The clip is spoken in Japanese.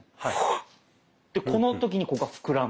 この時にここが膨らむ。